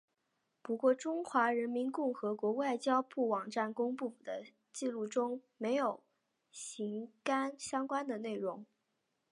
不过中华人民共和国外交部网站公布的记录中没有刊载相关内容。